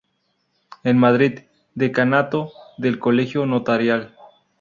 En Madrid: Decanato del Colegio Notarial.